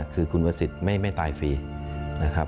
คือคุณประสิทธิ์ไม่ตายฟรีนะครับ